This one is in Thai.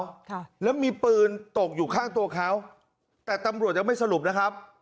ค่ะแล้วมีปืนตกอยู่ข้างตัวเขาแต่ตำรวจยังไม่สรุปนะครับ